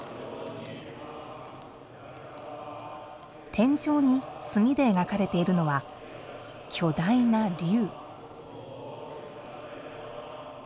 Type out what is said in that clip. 天井に墨で描かれているのは、巨大な龍。